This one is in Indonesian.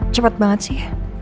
cepet banget sih